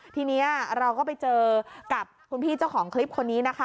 ทีนี้เราก็ไปเจอกับคุณพี่เจ้าของคลิปคนนี้นะคะ